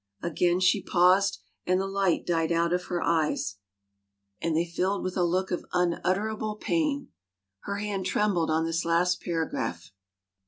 Again she paused and the light died out of her eyes and they filled with a look of unutterable pain. Her hand trembled on this last paragraph.